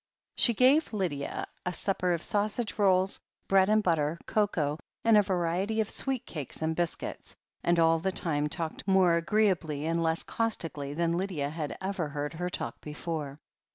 She gave Lydia a supper of sausage rolls, bread and butter, cocoa and a variety of sweet cakes and biscuits, and all the time talked more agreeably and less causti cally than Lydia had ever heard her talk before.